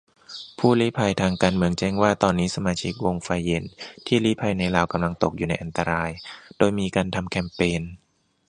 ผู้ลี้ภัยทางการเมืองแจ้งว่า ตอนนี้สมาชิกวงไฟเย็นที่ลี้ภัยในลาวกำลังตกอยู่ในอันตราย-โดยมีการทำแคมเปญ